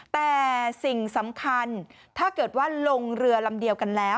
แต่สิ่งสำคัญถ้าเกิดว่าลงเรือลำเดียวกันแล้ว